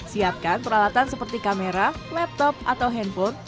siapkan peralatan seperti kamera laptop atau handphone